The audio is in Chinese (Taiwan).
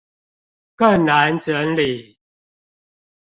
更難整理